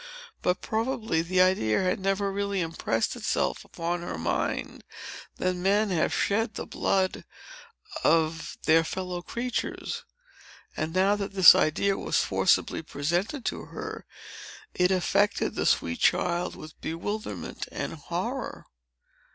But, probably, the idea had never really impressed itself upon her mind, that men have shed the blood of their fellow creatures. And now that this idea was forcibly presented to her, it affected the sweet child with bewilderment and horror.